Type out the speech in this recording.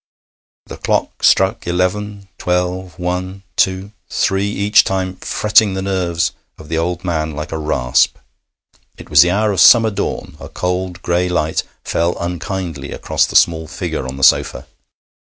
The clock struck eleven, twelve, one, two, three, each time fretting the nerves of the old man like a rasp. It was the hour of summer dawn. A cold gray light fell unkindly across the small figure on the sofa.